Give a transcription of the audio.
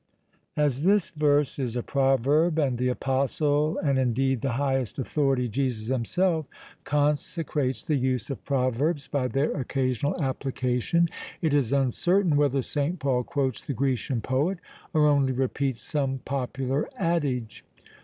As this verse is a proverb, and the apostle, and indeed the highest authority, Jesus himself, consecrates the use of proverbs by their occasional application, it is uncertain whether St. Paul quotes the Grecian poet, or only repeats some popular adage.